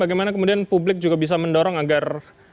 bagaimana kemudian publik juga bisa mendorong agar